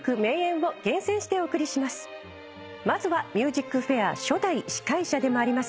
まずは『ＭＵＳＩＣＦＡＩＲ』初代司会者でもあります